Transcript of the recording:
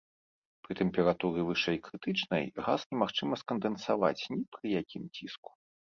Пры тэмпературы вышэй крытычнай газ немагчыма скандэнсаваць ні пры якім ціску.